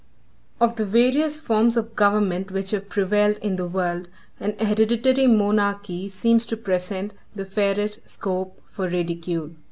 Of the various forms of government which have prevailed in the world, an hereditary monarchy seems to present the fairest scope for ridicule.